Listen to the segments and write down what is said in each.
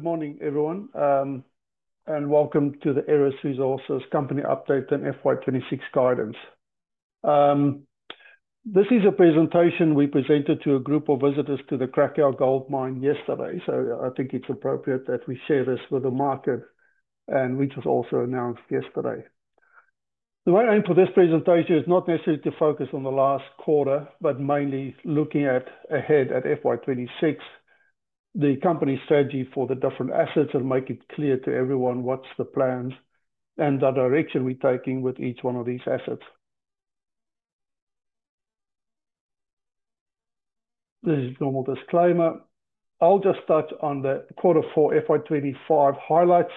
Good morning everyone and welcome to the Aeris Resources Company Update and FY2026 guidance. This is a presentation we presented to a group of visitors to the Cracow gold mine yesterday. I think it's appropriate that we share this with the market and which was also announced yesterday. The main aim for this presentation is not necessarily to focus on the last quarter, but mainly looking ahead at FY2026, the company strategy for the different assets and make it clear to everyone what's the plans and the direction we're taking with each one of these assets. This is normal disclaimer. I'll just touch on the quarter four FY2025 highlights.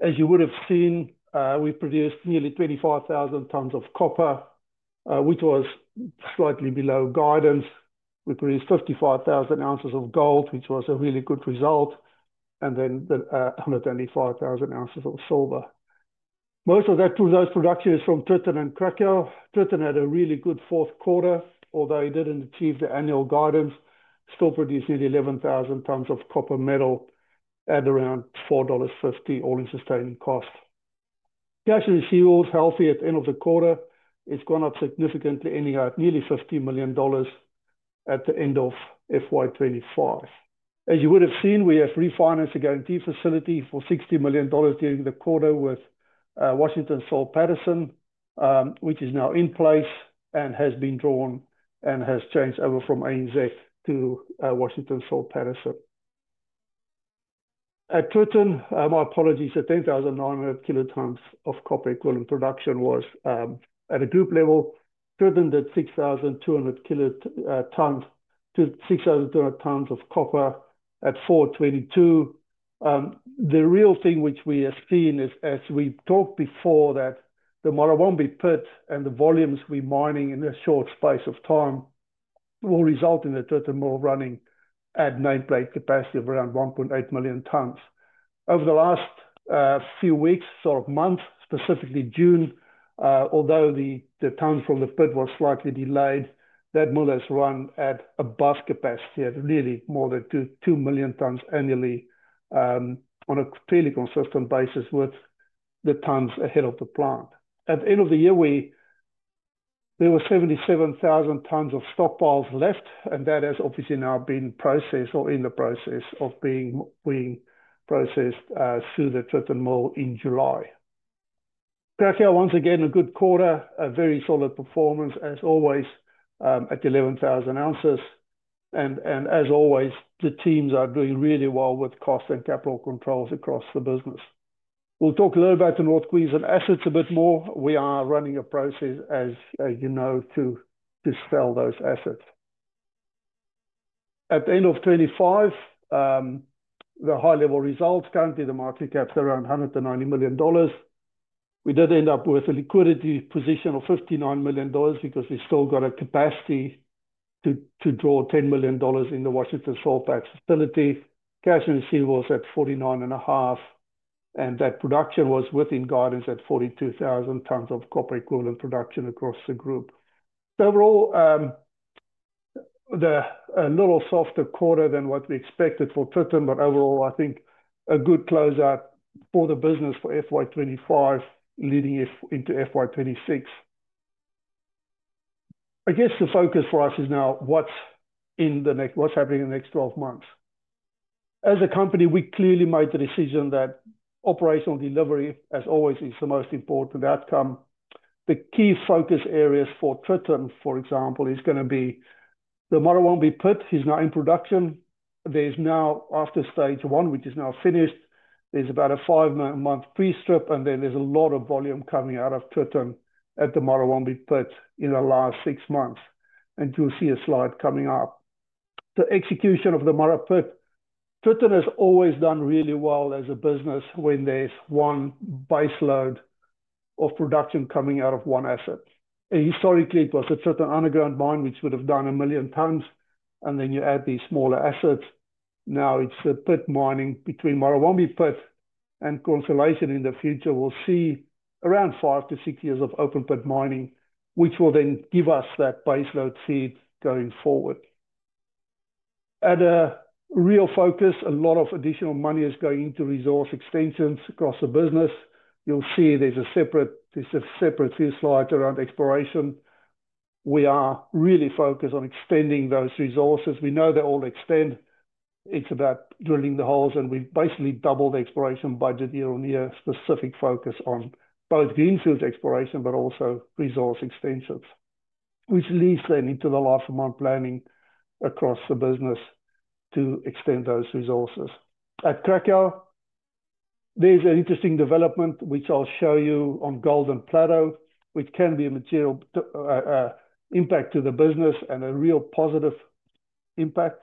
As you would have seen, we produced nearly 25,000 t of copper which was slightly below guidance. We produced 55,000 oz of gold which was a really good result and then 195,000 oz of silver. Most of that production is from Tritton and Cracow. Tritton had a really good fourth quarter, although it didn't achieve the annual guidance, still producing 11,000 t of copper metal at around $4.50 All-In Sustaining Cost. Cash receivables healthy at the end of the quarter. It's gone up significantly, ending at nearly $50 million at the end of FY2025. As you would have seen, we have refinanced a guarantee facility for $60 million during the quarter with Washington H. Soul Pattinson which is now in place and has been drawn and has changed over from ANZ to Washington H. Soul Pattinson at Tritton. My apologies. At 10,900 kt of Copper Equivalent Production was at a group level driven that 6,200 kt to 6,200 t of copper at 422. The real thing which we have seen is as we talked before, that the model won't be put and the volumes we mining in a short space of time will result in the Tritton mill running at nameplate capacity of around 1.8 million t over the last few weeks, sort of month, specifically June, although the tonnes from the pit was slightly delayed. That mill has run at above capacity at really more than 2 million t annually on a fairly consistent basis with the t ahead of the plant. At the end of the year there were 77,000 t of stockpiles left and that has obviously now been processed or in the process of being processed through the Tritton mill in July. Cracow once again a good quarter. A very solid performance as always at 11,000 oz. As always the teams are doing really well with cost and capital controls across the business. We'll talk a little about the North Queensland assets a bit more. We are running a process, as you know, to sell those assets at the end of 2025. The high-level results: currently the market cap is around $190 million. We did end up with a liquidity position of $59 million because we still got a capacity to draw $10 million in the Washington H. Soul Pattinson facility. Cash receivables at $49.5 million and that production was within guidance at 42,000 t of Copper Equivalent Production across the group. Several, a little softer quarter than what we expected for Tritton, but overall I think a good closeout for the business. For FY2025 leading into FY2026, I guess the focus for us is now what's in the next, what's happening in the next 12 months. As a company, we clearly made the decision that operational delivery, as always, is the most important outcome. The key focus areas for Tritton, for example, is going to be the Mara Pit. It's now in production. There's now, after stage one which is now finished, about a five-month pre-strip and then there's a lot of volume coming out of Tritton at the Mara Pit in the last six months and you'll see a slide coming up. The execution of the Mara Pit. Tritton has always done really well as a business when there's one baseload of production coming out of one asset. Historically, it was a certain underground mine which would have done a million tonnes and then you add these smaller assets. Now it's a pit mining between Mara Pit and Constellation. In the future, we'll see around five to six years of open pit mining which will then give us that baseload seed going forward at a real focus. A lot of additional money is going into resource extensions across the business. You'll see there's a separate, separate few slides around exploration. We are really focused on extending those resources. We know they all extend. It's about drilling the holes and we basically doubled exploration budget year on year. Specific focus on both Greenfield Exploration but also resource extensions, which leads then into the Life of Mine planning across the business to extend those resources. At Cracow, there's an interesting development which I'll show you on Golden Plateau, which can be a material impact to the business and a real positive impact.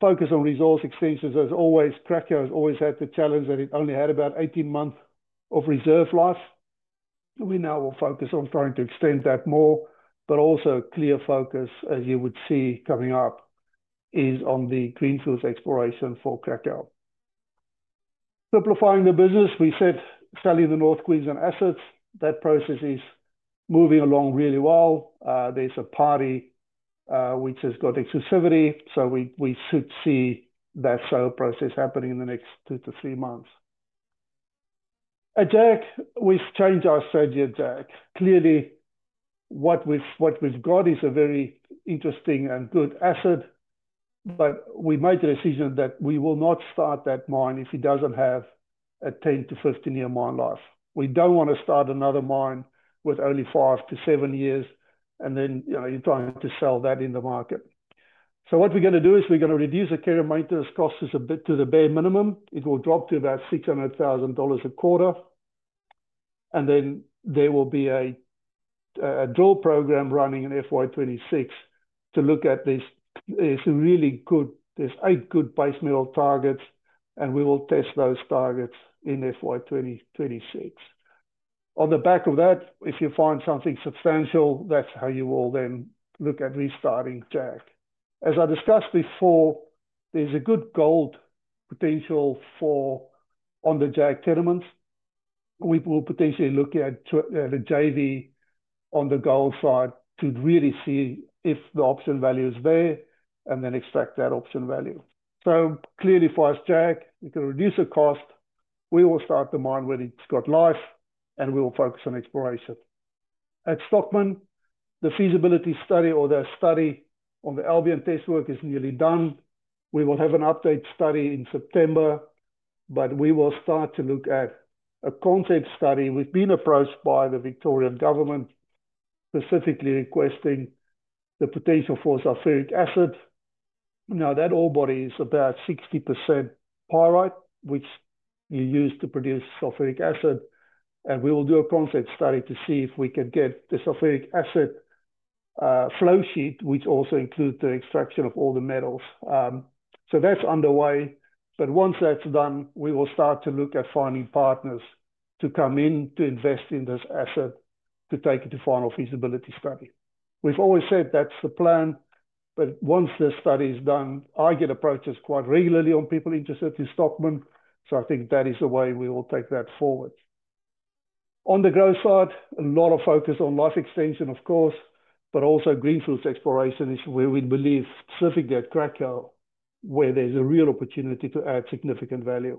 Focus on resource extensions. As always, Cracow has always had the challenge that it only had about 18 months of reserve life. We now will focus on trying to extend that more, but also clear focus, as you would see coming up, is on the Greenfield Exploration for Cracow. Simplifying the business, we said selling the North Queensland assets. That process is moving along really well. There's a party which has got exclusivity, so we should see that process happening in the next two to three months at Jaguar. We changed our strategy at Jaguar. Clearly what we've got is a very interesting and good asset. We made the decision that we will not start that mine if it doesn't have a 10 to 15 year mine life. We don't want to start another mine with only five to seven years, and then you're trying to sell that in the market. What we're going to do is we're going to reduce the care and maintenance costs a bit to the bare minimum. It will drop to about $600,000 a quarter. There will be a drill program running in FY2026 to look at these eight good base metal targets, and we will test those targets in FY2026. On the back of that, if you find something substantial, that's how you will then look at restarting Jaguar. As I discussed before, there's a good gold potential on the Jaguar tenements. We will potentially look at a JV on the gold side to really see if the option value is there and then extract that option value. Clearly for us, Jaguar, you can reduce the cost. We will start the mine where it's got life and we will focus on exploration. At Stockman, the feasibility study or the study on the Albion test work is nearly done. We will have an updated study in September, but we will start to look at a concept study. We've been approached by the Victorian government specifically requesting the potential for sulfuric acid. That ore body is about 60% pyrite, which you use to produce sulfuric acid. We will do a concept study to see if we can get the Sulfuric Acid Flowsheet, which also includes the extraction of all the metals. That's underway. Once that's done, we will start to look at finding partners to come in to invest in this asset to take it to final feasibility study. We've always said that's the plan. Once the study is done, I get approaches quite regularly on people interested in Stockman. I think that is the way we will take that forward. On the growth side, a lot of focus on life extension of course, but also Greenfield Exploration, where we believe specifically at Cracow there's a real opportunity to add significant value.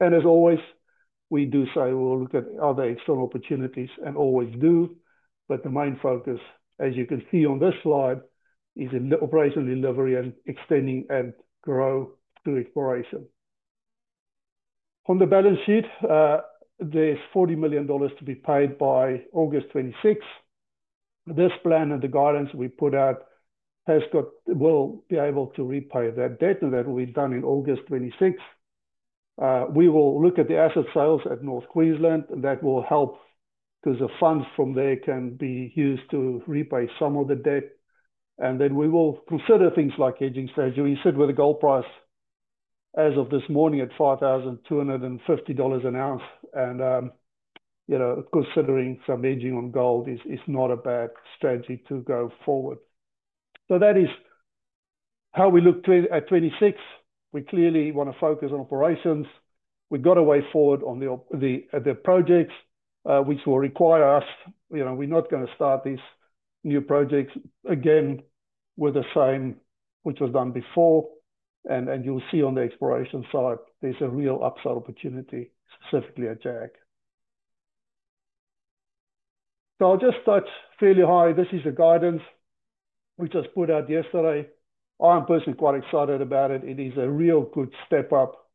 As always, we do say we'll look at other external opportunities and always do. The main focus, as you can see on this slide, is operational delivery and extending and grow to exploration. On the balance sheet, there's $40 million to be paid by August 2026. This plan and the guidance we put out will be able to repay that debt and that will be done in August 2026. We will look at the asset sales at North Queensland and that will help because the funds from there can be used to repay some of the debt. We will consider things like hedging strategy. We sit with the gold price as of this morning at $5,250 an ounce and, you know, considering some hedging on gold is not a bad strategy to go forward. That is how we look at 2026. We clearly want to focus on operations. We got a way forward on the projects which will require us, you know, we're not going to start these new projects again with the same which was done before. You'll see on the exploration side, there's a real upside opportunity, specifically at Jaguar. I'll just touch fairly high. This is a guidance we just put out yesterday. I'm personally quite excited about it. It is a real good step up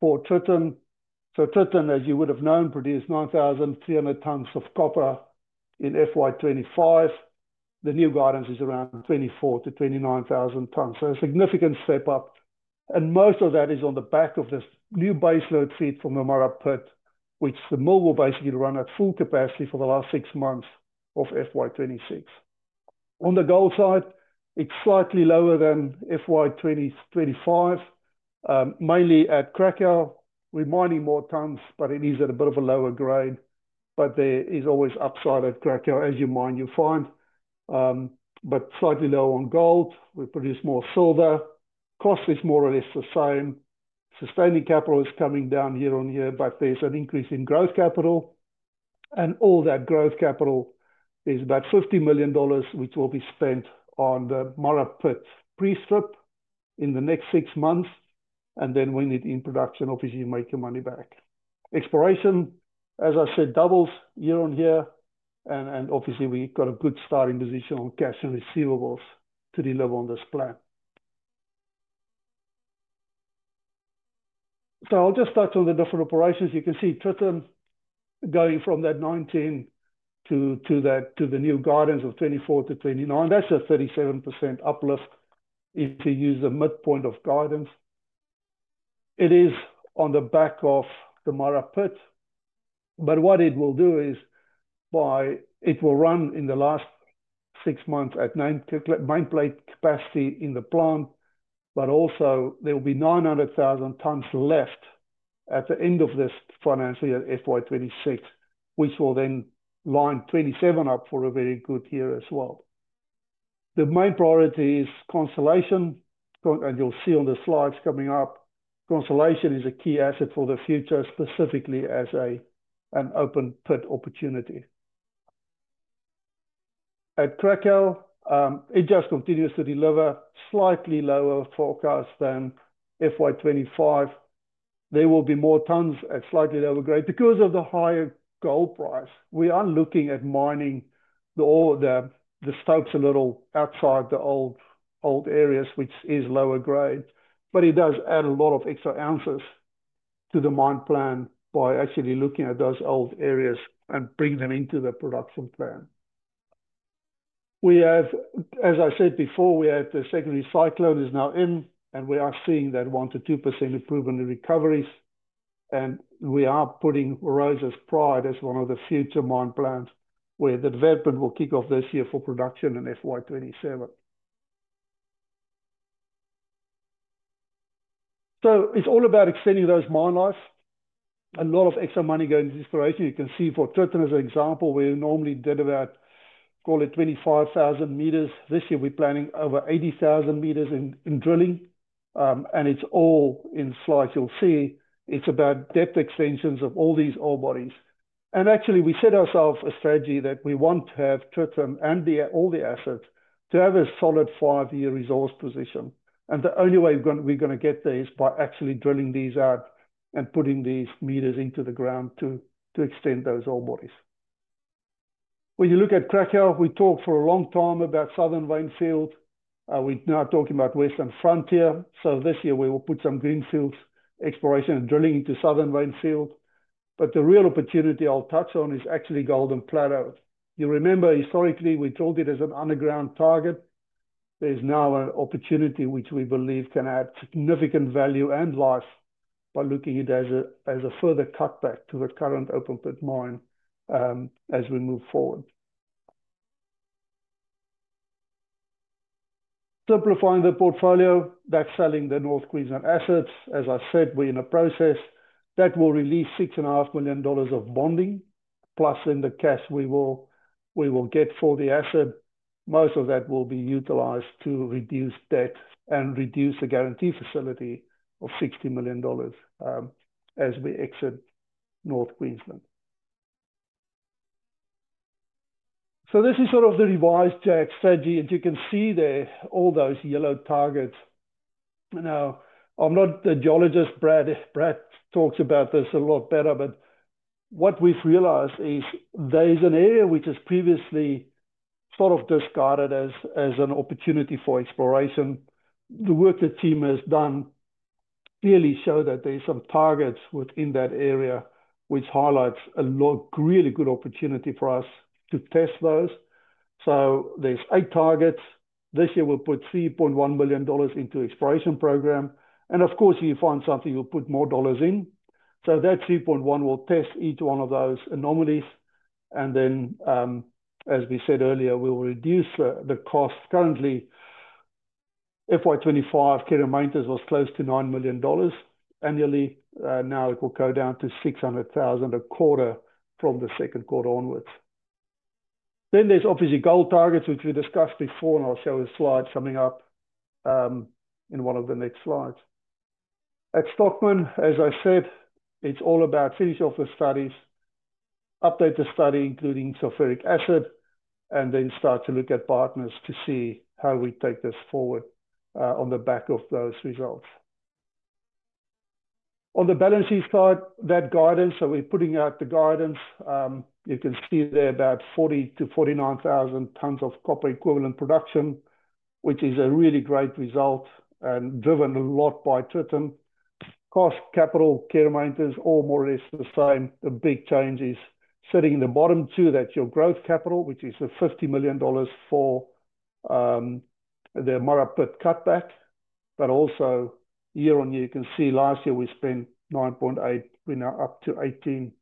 for Tritton. Tritton, as you would have known, produced 9,300 t of copper in FY2025. The new guidance is around 24,000-29,000 t. A significant step up. Most of that is on the back of this new baseload fleet from the Mara Pit, which the mill will basically run at full capacity for the last six months of FY2026. On the gold side, it's slightly lower than FY2025, mainly at Cracow we're mining more t, but it is at a bit of a lower grade. There is always upside. At Cracow, as you mine, you find, but slightly low on gold. We produce more silver, cost is more or less the same. Sustaining capital is coming down year on year, but there's an increase in growth capital and all that growth capital is about $50 million which will be spent on the Mara Pit pre-strip in the next six months and then when it in production, obviously make your money back. Exploration, as I said, doubles year on year and obviously we got a good starting position on cash and receivables to deliver on this plan. I'll just touch on the different operations. You can see Tritton going from that 19 to the new guidance of 24,000 to 29,000. That's a 37% uplift if you use the midpoint of guidance. It is on the back of the Mara Pit. What it will do is it will run in the last six months at main plate capacity in the plant. There will be 900,000 t left at the end of this financial year FY2026, which will then line 27 up for a very good year as well. The main priority is Constellation, and you'll see on the slides coming up Constellation is a key asset for the future. Specifically, as an open pit opportunity at Cracow, it just continues to deliver slightly lower forecast than FY2025. There will be more tonnes at slightly lower grade because of the higher gold price. We are looking at mining the stopes a little outside the old areas, which is lower grade, but it does add a lot of extra oz to the mine plan. By actually looking at those old areas and bringing them into the production plan, we have, as I said before, the secondary cyclone is now in, and we are seeing that 1-2% improvement in recoveries. We are putting Rosa's Pride as one of the future mine plans where the development will kick off this year for production in FY2027. It's all about extending those mine life. A lot of extra money going. In exploration, you can see for Tritton as an example, we normally did about, call it, 25,000 m. This year we're planning over 80,000 m in drilling, and it's all in sight. You'll see it's about depth extensions of all these old bodies. We set ourselves a strategy that we want to have Tritton and all the assets to have a solid five-year resource position. The only way we're going to get there is by actually drilling these out and putting these meters into the ground to extend those old bodies. When you look at Cracow, we talk for a long time about Southern Wainfield. We are now talking about Western Frontier. This year we will put some Greenfield Exploration and drilling into Southern Landfill. The real opportunity I'll touch on is actually Golden Plateau. You remember historically we drilled it as an underground target. There's now an opportunity which we believe can add significant value and life by looking at it as a further cutback to the current open pit mine as we move forward. Simplifying the portfolio, that's selling the North Queensland assets. As I said, we're in a process that will release $6.5 million of bonding plus in the cash we will get for the asset. Most of that will be utilized to reduce debt and reduce the guarantee facility of $60 million as we exit North Queensland. This is sort of the revised Jack strategy, and you can see there all those yellow targets. Now, I'm not a geologist, Brad. Brad talks about this a lot better. What we've realized is there is an area which is previously sort of discarded as an opportunity for exploration. The work the team has done clearly shows that there's some targets within that area which highlights a really good opportunity for us to test those. There's eight targets this year. We'll put $3.1 million into the exploration program and of course if you find something you'll put more dollars in, so that $3.1 million will test each one of those anomalies. As we said earlier, we will reduce the cost. Currently, FY2025 care and maintenance was close to $9 million annually. It will go down to $600,000 a quarter from the second quarter onwards. There are obviously gold targets which we discussed before. I'll show a slide coming up in one of the next slides at Stockman. As I said, it's all about finishing off the studies, updating the study including sulfuric acid, and then starting to look at partners to see how we take this forward. On the back of those results on the balance sheet side, that guidance. We're putting out the guidance. You can see there about 40,000-49,000 t of Copper Equivalent Production, which is a really great result and driven a lot by Tritton. Cost, capital, care, maintenance, all more or less the same. The big changes are sitting in the bottom two, that's your growth capital, which is the $50 million for the Mara Pit cutback. Year on year, you can see last year we spent $9.8 million. We are now up to $18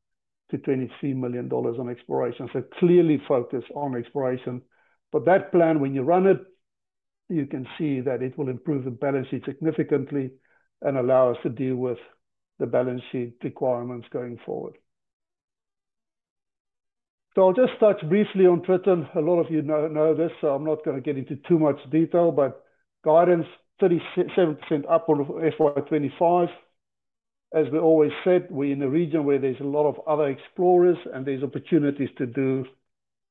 million to $23 million on exploration. Clearly, focus on exploration. That plan, when you run it, you can see that it will improve the balance sheet significantly and allow us to deal with the balance sheet requirements going forward. I'll just touch briefly on Tritton. A lot of you know this, so I'm not going to get into too much detail, but guidance is 37% up on FY2025. As we always said, we're in a region where there's a lot of other explorers and there's opportunities to do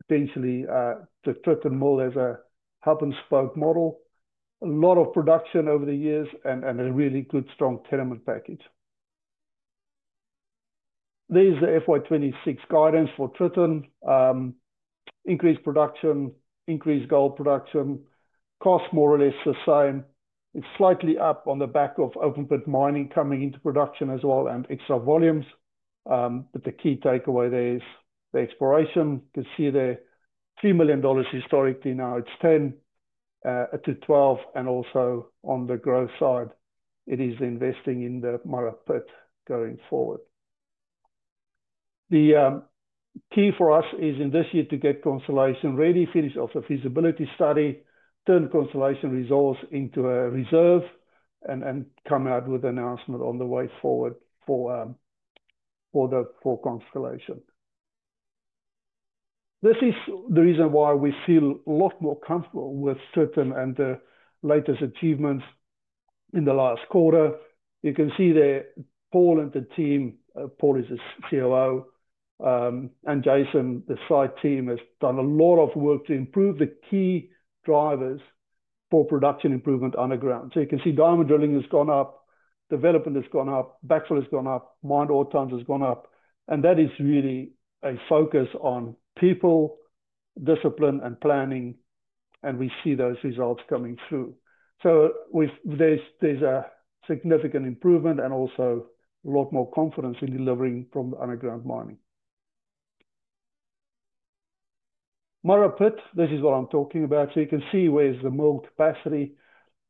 potentially the Tritton mill as a hub and spoke model. A lot of production over the years and a really good strong tenement package. These are FY2026 guidance for Tritton. Increased production, increased gold production, cost more or less the same. It's slightly up on the back of open pit mining coming into production as well and excel volumes. The key takeaway there is the exploration. You can see there $3 million historically, now it's $10 million to $12 million. Also on the growth side, it is investing in the Mara Pit going forward. The key for us is in this year to get Constellation ready, finish off the feasibility study, turn Constellation Resource into a reserve and come out with announcement on the way forward for the full Constellation. This is the reason why we feel a lot more comfortable with certain and the latest achievements in the last quarter. You can see there Paul and the team, Paul is COO and Jason the site team has done a lot of work to improve the key drivers for production improvement underground. You can see diamond drilling has gone up, development has gone up, backfill has gone up, mine ore times has gone up. That is really a focus on people, discipline and planning and we see those results coming through. There is a significant improvement and also a lot more confidence in delivering from the underground mining. Mara Pit, this is what I'm talking about. You can see where is the mill capacity.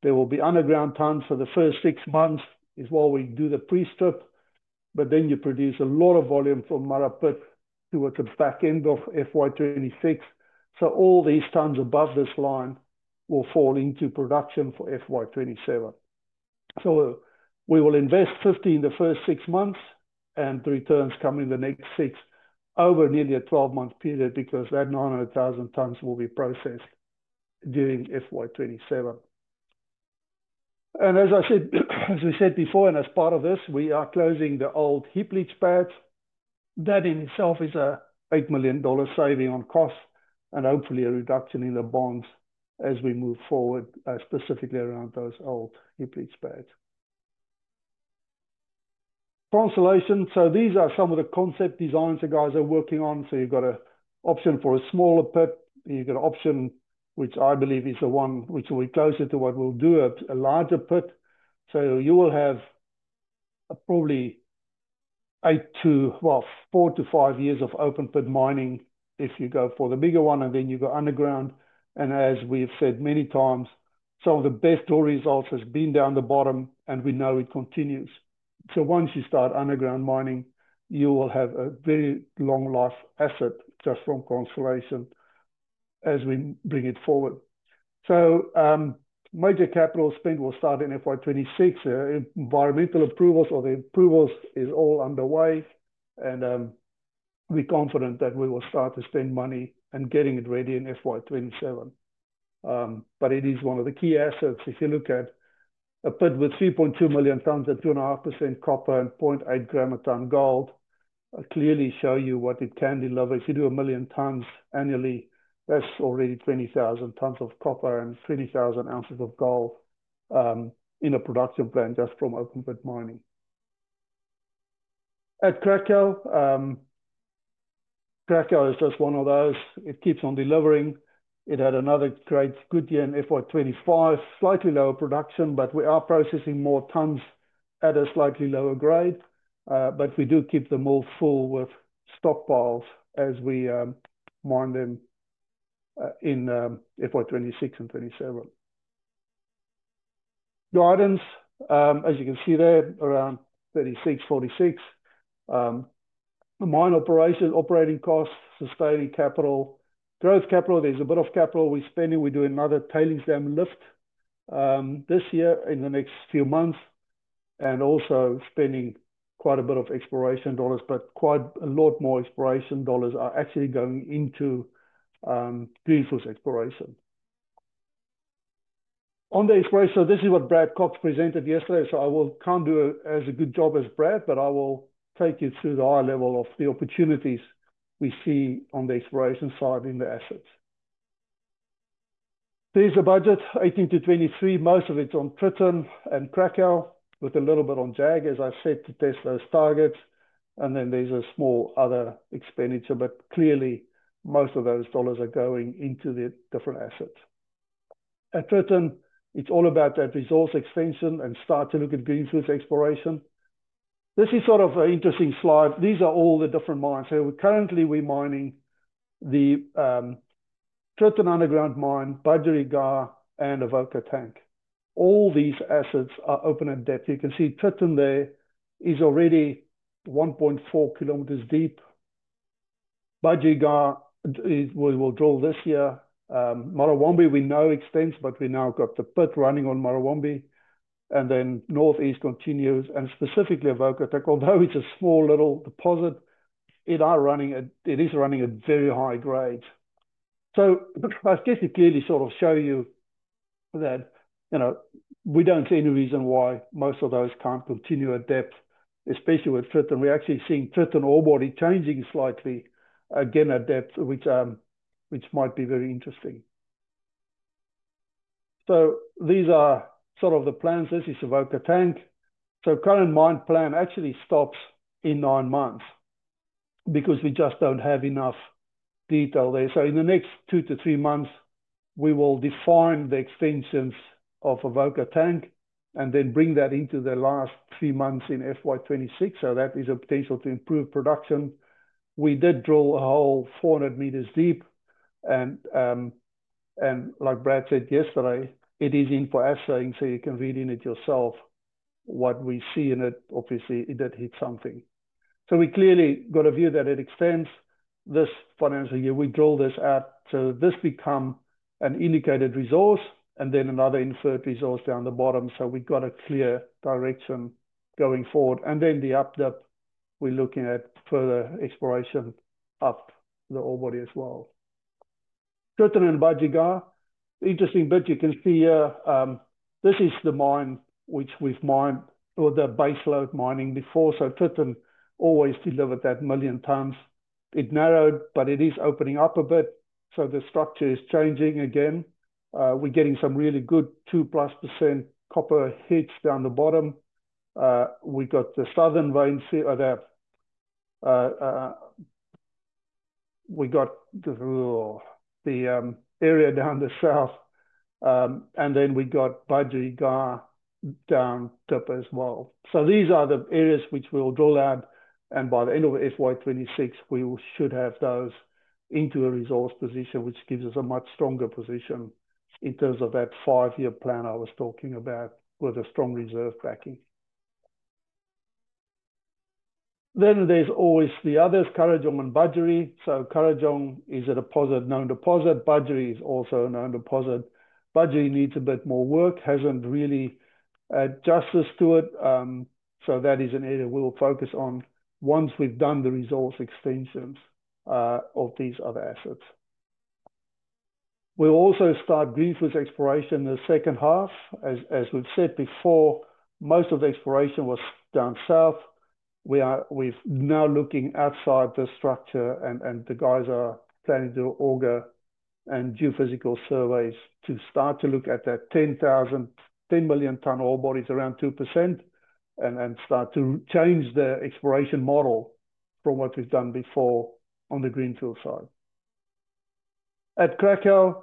There will be underground tons for the first six months while we do the pre-strip but then you produce a lot of volume. Mara Pit towards the back end of FY2026. All these tons above this line will fall into production for FY2027. We will invest $15 million the first six months and returns come in the next six over nearly a 12 month period because that 900,000 t will be processed during FY2027. As I said, as we said before and as part of this we are closing the old heap leach pads. That in itself is a $8 million saving on costs and hopefully a reduction in the bonds as we move forward specifically around those old in spads Constellation. These are some of the concept designs the guys are working on. You've got an option for a smaller pit. You've got an option which I believe is the one which will be closer to what we'll do, a larger pit some. You will have probably eight to well four to five years of open pit mining if you go for the bigger one and then you go underground. As we have said many times, some of the best draw results has been down the bottom and we know it continues. Once you start underground mining you will have a very long life asset just from Constellation as we bring it forward. Major capital spend will start in FY2026, environmental approvals or the approvals is all underway and we're confident that we will start to spend money and getting it ready in FY2027. It is one of the key assets. If you look at a pit with 3.2 million t at 2.5% copper and 0.8 gram a tonne gold, it clearly shows you what it can deliver if you do a million tonnes annually. That's already 20,000 t of copper and 20,000 oz of gold in a production plant just from open pit mining at Cracow. Cracow is just one of those. It keeps on delivering. It had another great good year in FY2025. Slightly lower production, but we are processing more tonnes at a slightly lower grade. We do keep them all full with stockpiles as we mine them in FY2026 and 2027. Guidance, as you can see, there around 3,646 mine operation operating cost, sustaining capital, growth capital. There's a bit of capital we're spending. We do another tailings dam lift this year in the next few months. We are also spending quite a bit of exploration dollars. Quite a lot more exploration dollars are actually going into doing force exploration on the exploration. This is what Brad Cox presented yesterday. I can't do as good a job as Brad, but I will take you through the high level of the opportunities we see on the exploration side in the assets. There's a budget 18 to 23. Most of it's on Tritton and Cracow, with a little bit on Jaguar, as I said, to test those targets. Then there's a small other expenditure. Clearly, most of those dollars are going into the different assets at Tritton. It's all about that resource extension and starting to look at Greenfield Exploration. This is sort of an interesting slide. These are all the different mines here. We currently are mining the Tritton underground mine, Budgerigar, and Avoca Tank. All these assets are open in depth. You can see Tritton there is already 1.4 km deep. Budgerigar will drill this year. Mara, we know, extends, but we now got the pit running on Mara, and then northeast continues, and specifically Avoca Tank. Although it's a small little deposit, it is running. It is running at very high grades. I guess it clearly sort of shows you that we don't see any reason why most of those can't continue at depth, especially with Tritton. We're actually seeing the Tritton ore body changing slightly again at depth, which might be very interesting. These are sort of the plans. This is Avoca Tank. Current mine plan actually stops in nine months because we just don't have enough detail there. In the next two to three months, we will define the extensions of Avoca Tank and then bring that into the last three months in FY2026. That is a potential to improve production. We did drill a hole 400 m deep and like Brad said yesterday, it is in for assaying. You can read in it yourself what we see in it. Obviously it did hit something. We clearly got a view that it extends this financing year. We drill this out so this becomes an indicated resource and then another inferred resource down the bottom. We got a clear direction going forward. The UPD, we're looking at further exploration up the ore body as well, Kutan and Bajiga. The interesting bit, you can see this is the mine which we've mined or the baseload mining before. Tritton always delivered that million t. It narrowed but it is opening up a bit. The structure is changing again. We're getting some really good 2+% copper hits down the bottom. We got the southern veins, we got the area down the south, and we got Budgerigar down tip as well. These are the areas which we will drill out. By the end of FY2026, we should have those into a resource position which gives us a much stronger position in terms of that five-year plan I was talking about with a strong reserve backing. There's always the others, Kurrajong and Budgery. Kurrajong is a known deposit. Budgery is also a known deposit. Budgery needs a bit more work, hasn't really had justice to it. That is an area we will focus on once we've done the resource extensions of these other assets. We'll also start Greenfield Exploration in the second half. As we've said before, most of the exploration was down south. We're now looking outside the structure and the guys are planning to auger and do geophysical surveys to start to look at that 10 million t ore bodies around 2% and start to change the exploration model from what we've done before on the Greenfields side. At Cracow,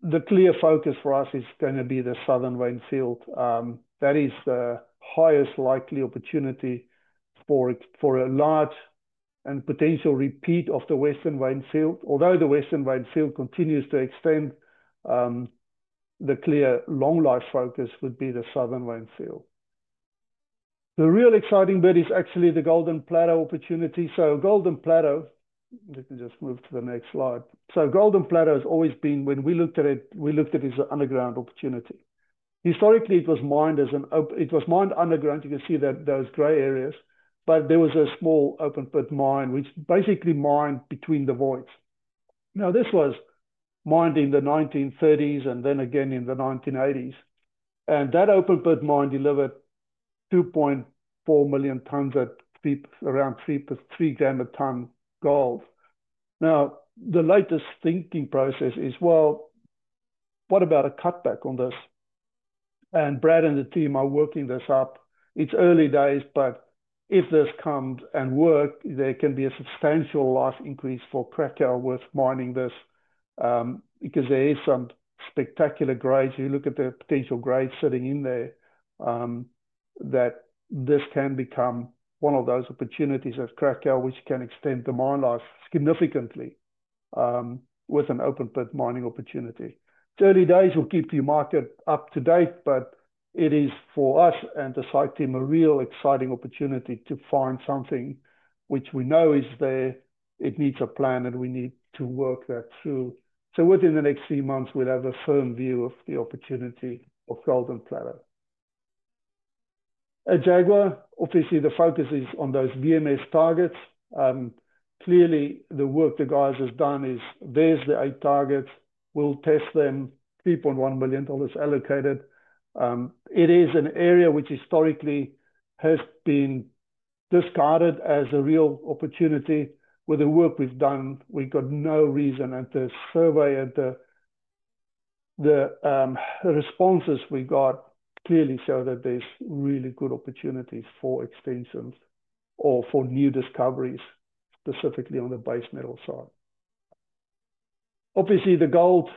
the clear focus for us is going to be the southern Wainfield. That is the highest likely opportunity for a large and potential repeat of the western Wainfield, although the western Wainfield continues to extend. The clear long life focus would be the southern Wainfield. The real exciting bit is actually the Golden Plateau opportunity. Golden Plateau, let me just move to the next slide. Golden Plateau has always been, when we looked at it, we looked at this underground opportunity. Historically, it was mined as an open pit. It was mined underground. You can see those gray areas, but there was a small open pit mine which basically mined between the voids. Now this was mined in the 1930s and then again in the 1980s. That open pit mine delivered 2.4 million t at around 3.3 gram a tonne gold. The latest thinking process is, what about a cutback on this? Brad and the team are working this up. It's early days, but if this comes and works, there can be a substantial life increase for Cracow with mining this because there are some spectacular grades. You look at the potential grades sitting in there, this can become one of those opportunities at Cracow which can extend the mine life significantly. With an open pit mining opportunity, we will keep the market up to date. It is for us and the site team a real exciting opportunity to find something which we know is there. It needs a plan and we need to work that through. Within the next few months, we'll have a firm view of the opportunity of Golden Plateau. At Jaguar, obviously the focus is on those VMS targets. Clearly, the work the guys have done is, there's the eight targets. We'll test them. $3.1 million allocated. It is an area which historically has been discarded as a real opportunity. With the work we've done, we've got no reason at the survey and the responses we got clearly show that there's really good opportunities for extensions or for new discoveries, specifically on the base metal side. Obviously, the gold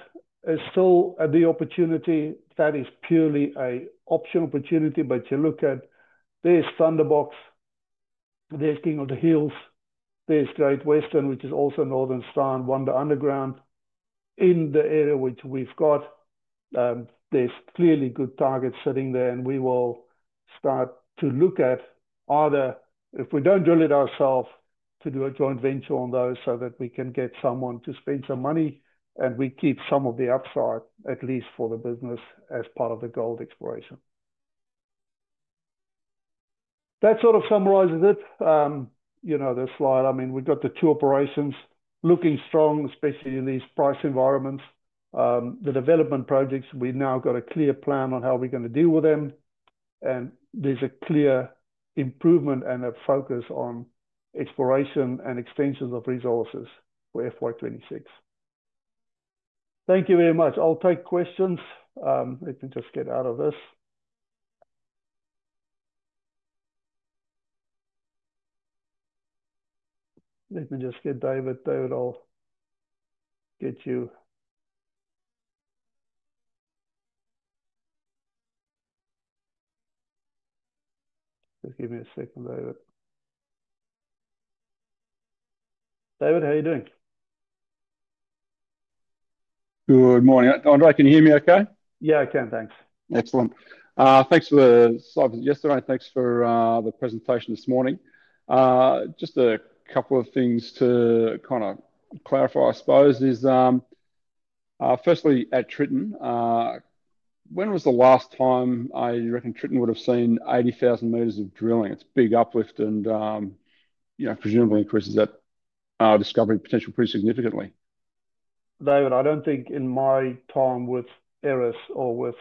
is still the opportunity. That is purely an option opportunity. You look at, there's Thunderbox, there's King of the Hills, there's Great Western which is also Northern Star and Wonder Underground in the area which we've got. There's clearly good targets sitting there and we will start to look at either, if we don't drill it ourselves, to do a joint venture on those so that we can get someone to spend some money and we keep some of the upside at least for the business as part of the gold exploration. That sort of summarizes it. You know this slide, I mean we've got the two operations looking strong, especially in these price environments, the development projects. We now have a clear plan on how we're going to deal with them. There's a clear improvement and a focus on exploration and extensions of resources. We're FY2026. Thank you very much. I'll take questions. Let me just get out of this. David. David, I'll get you. Just give me a second. David. David, how you doing? Good morning, André. Can you hear me okay? Yeah, I can. Thanks. Excellent. Thanks for the slides yesterday. Thanks for the presentation this morning. Just a couple of things to kind of clarify I suppose is firstly at Tritton, when was the last time I reckon Tritton would have seen 80,000 m of drilling? It's big uplift and you know, presumably increases that discovery potential pretty significantly. I don't think in my time with Aeris or with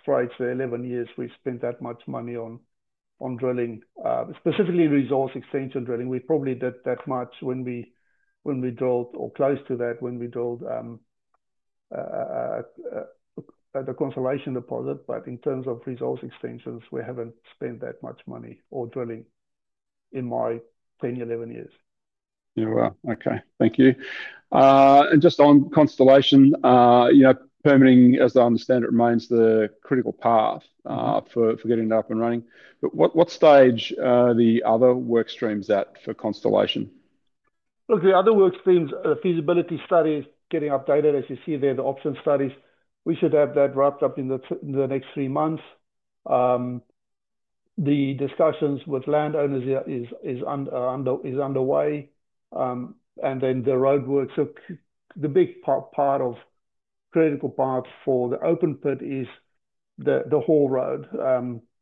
Straits for 11 years we spent that much money on drilling, specifically resource extension drilling. We probably did that much, or close to that, when we drilled at a Constellation deposit. In terms of resource extensions, we haven't spent that much money or drilling in my 10, 11 years. Thank you. On Constellation, you know, permitting, as I understand it, remains the critical path for getting up and running. What stage are the other work streams at for Constellation? Look, the other work streams, the feasibility study is getting updated as you see there, the option studies, we should have that wrapped up in the next three months. The discussions with landowners is underway and then the roadworks. The big part of critical part for the open pit is the haul road.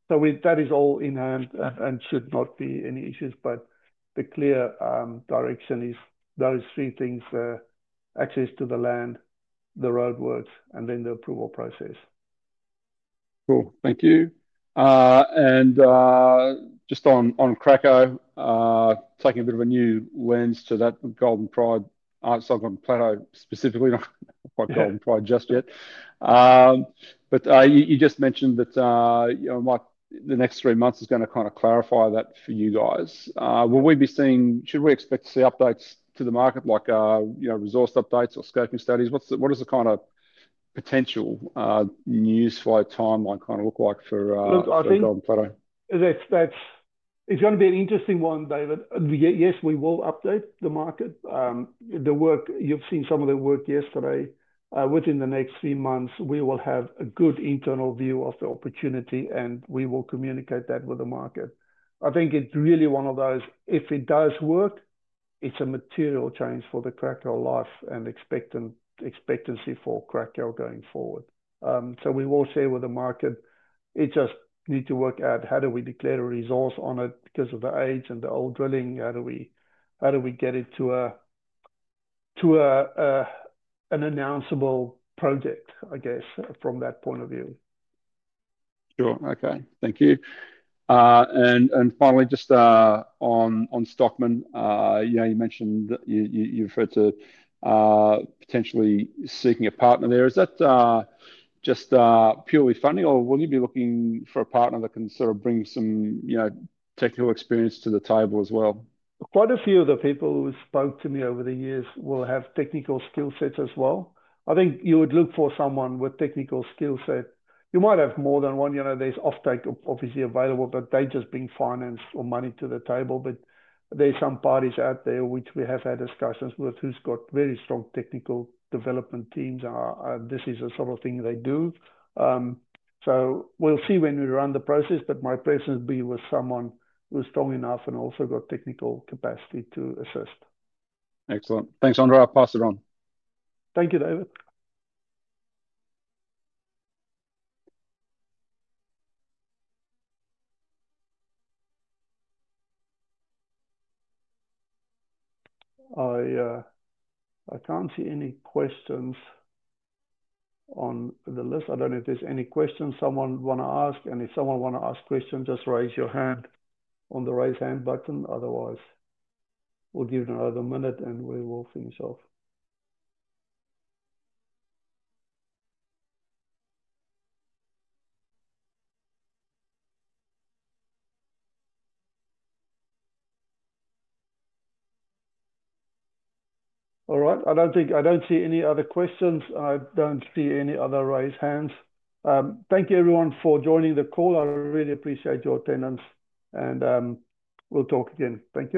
That is all in hand and should not be any issues. The clear direction is those three things: access to the land, the roadworks, and then the approval process. Cool, thank you. Just on Cracow, taking a bit of a new lens to that Golden Plateau cycle and Plateau specifically. Not quite Golden Plateau just yet, but you just mentioned that the next three months is going to kind of clarify that for you guys. Will we be seeing, should we expect to see updates to the market, like resource updates or scoping studies? What is the kind of potential news flow timeline kind of look like for? It's going to be an interesting one, David. Yes, we will update the market. The work, you've seen some of the work yesterday. Within the next few months, we will have a good internal view of the opportunity and we will communicate that with the market. I think it's really one of those, if it does work, it's a material change for the Cracow life and expected expectancy for Cracow going forward. We will share with the market. We just need to work out how do we declare a resource on it because of the age and the old drilling, how do we get it to an announceable project. I guess from that point of view. Sure. Okay. Thank you. Finally, just on Stockman. You mentioned, and you referred to potentially seeking a partner there. Is that just purely funding or will you be looking for a partner that can sort of bring some, you know, technical experience to the table as well? Quite a few of the people who spoke to me over the years will have technical skill sets as well. I think you would look for someone with technical skill set. You might have more than one. You know, there's offtake, obviously available, but they just bring finance or money to the table. There are some parties out there which we have had discussions with who's got very strong technical development teams. This is the sort of thing they do. We will see when we run the process. My preference would be with someone who's strong enough and also got technical capacity to assist. Excellent. Thanks, André. I'll pass it on. Thank you, David. I can't see any questions on the list. I don't know if there's any questions someone wants to ask. If someone wants to ask questions, just raise your hand on the raise hand button. Otherwise, we'll give it another minute and we will finish off. All right. I don't see any other questions. I don't see any other raised hands. Thank you everyone for joining the call. I really appreciate your attendance and we'll talk again. Thank you.